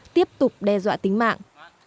tiếp tục đe dọa tính mạng